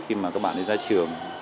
khi mà các bạn ấy ra trường